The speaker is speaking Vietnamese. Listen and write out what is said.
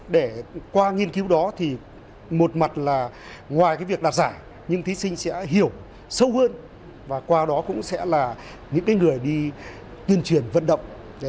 để qua nghiên cứu đó thì một mặt là ngoài việc đạt giải nhưng thí sinh sẽ hiểu sâu hơn và qua đó cũng sẽ là những người đi tuyên truyền vận động